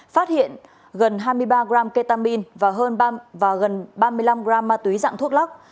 phát hiện gần hai mươi ba g ketamin và gần ba mươi năm g ma túy dạng thuốc lắc